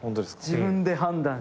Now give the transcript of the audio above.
自分で判断して。